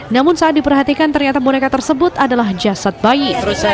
namun saat diperhatikan ternyata boneka tersebut adalah jasad bayi